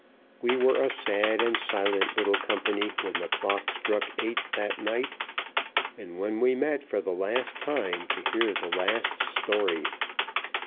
We were a sad and silent little company when the clock struck eight that night, and when we met for the last time to hear the last story.